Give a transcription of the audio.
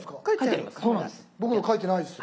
僕の書いてないです。